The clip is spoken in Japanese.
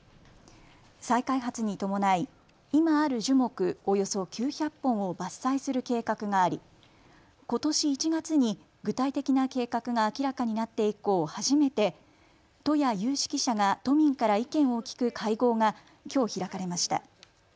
再開発に伴い今ある樹木およそ９００本を伐採する計画がありことし１月に具体的な計画が明らかになって以降、初めて都や有識者が都民から意見を聞く会合がきょう開かれました。